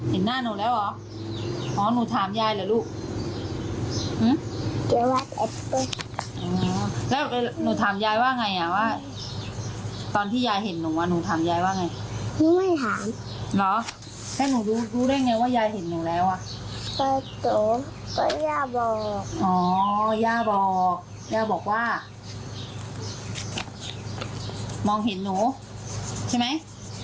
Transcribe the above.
ก็เจอก็ย่าบอกอ๋อย่าบอกย่าบอกว่ามองเห็นหนูใช่ไหม